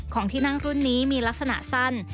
ของที่นั่งรุ่นนี้มีลักษณะสั้น